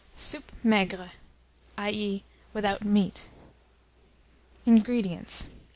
SOUP MAIGRE (i.e. without Meat). 136. INGREDIENTS.